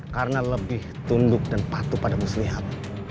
karena lebih tunduk dan patuh pada muslihat